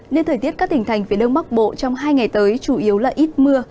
nên thời tiết các tỉnh thành phía đông bắc bộ trong hai ngày tới chủ yếu là ít mưa